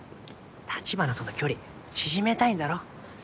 橘との距離縮めたいんだろ？